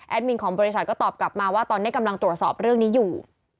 มินของบริษัทก็ตอบกลับมาว่าตอนนี้กำลังตรวจสอบเรื่องนี้อยู่